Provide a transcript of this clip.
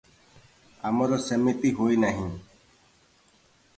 ଆମର ସେମିତି ହୋଇନାହିଁ ।